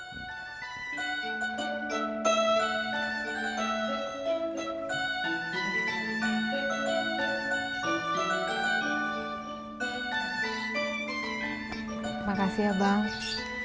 terima kasih abang